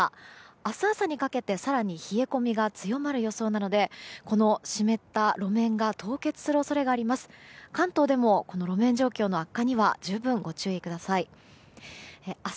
明日朝にかけて更に冷え込みが強まる予想なのでこの湿った路面が凍結する恐れがあります。